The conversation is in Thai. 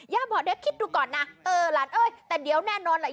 ยายบอกคิดดูก่อนนะเออหลานแต่เดี๋ยวแน่นอนแหละ